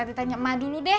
tadi tanya emak dulu deh